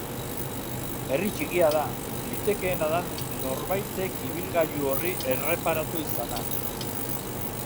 Herri txikia da, litekeena da norbaitek ibilgailu horri erreparatu izana.